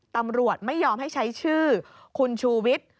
ตำรวจไม่ยอมให้ใช้ชื่อคุณชูวิทย์